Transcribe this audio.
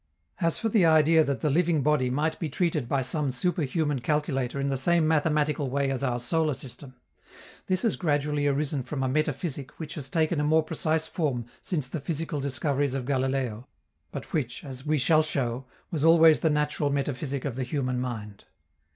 As for the idea that the living body might be treated by some superhuman calculator in the same mathematical way as our solar system, this has gradually arisen from a metaphysic which has taken a more precise form since the physical discoveries of Galileo, but which, as we shall show, was always the natural metaphysic of the human mind.